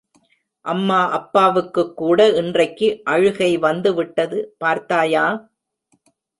அம்மா அப்பாவுக்குக்கூட இன்றைக்கு அழுகை வந்துவிட்டது, பார்த்தாயா!